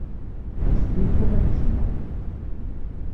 Eǧǧet-iyi kan ad kecmeɣ.